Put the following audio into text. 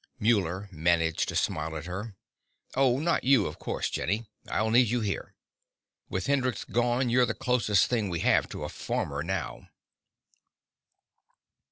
Muller managed a smile at her. "Oh, not you, of course, Jenny. I'll need you here. With Hendrix gone, you're the closest thing we have to a Farmer now."